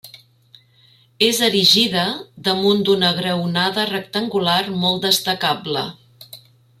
És erigida damunt d'una graonada rectangular molt destacable.